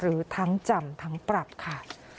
หรือทั้งจำทั้งปรับค่ะ